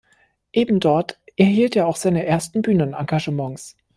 Ebendort erhielt er auch seine ersten Bühnenengagements.